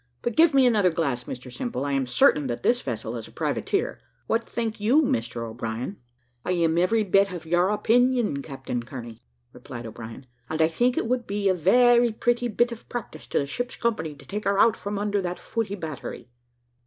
But give me another glass, Mr Simple, I am certain that this vessel is a privateer. What think you, Mr O'Brien?" "I am every bit of your opinion, Captain Kearney," replied O'Brien; "and I think it would be a very pretty bit of practice to the ship's company to take her out from under that footy battery."